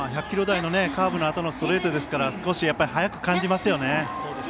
１００キロ台のカーブのあとのストレートで少し速く感じますよね。